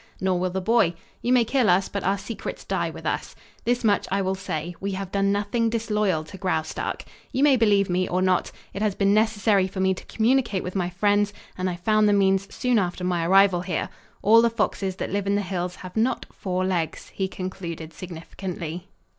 Nor will the boy. You may kill us, but our secrets die with us. This much I will say: we have done nothing disloyal to Graustark. You may believe me or not. It has been necessary for me to communicate with my friends, and I found the means soon after my arrival here. All the foxes that live in the hills have not four legs," he concluded significantly.